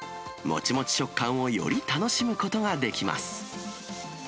もちもち食感をより楽しむことができます。